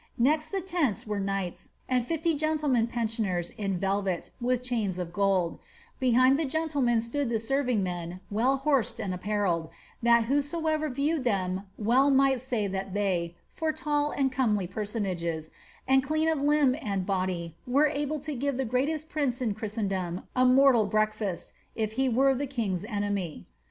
Next the tents were knights, and fifty gentlemen pensioners in velvet, with chains of gold ; behind the gentlemen stood the serving men, well horsed and apparelled, that whosoever viewed them well might say that they, for tall and comely personages, and clean of limb and body, were able to give the greatest prince in Christendom a mortal bieakfast, if he were the king's enemy.